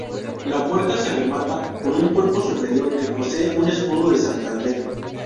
La puerta se remata con un cuerpo superior, que posee un escudo de Santander.